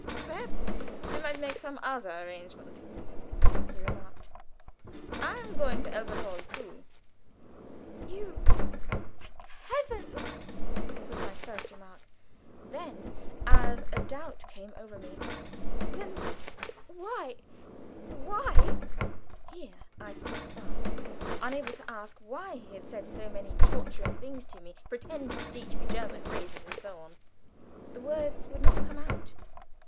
"Perhaps we might make some other arrangement," he remarked. "I am going to Elberthal too." "You! Thank Heaven!" was my first remark. Then as a doubt came over me: "Then why why " Here I stuck fast, unable to ask why he had said so many tormenting things to me, pretended to teach me German phrases, and so on. The words would not come out.